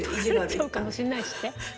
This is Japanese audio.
「取られちゃうかもしれないし」って？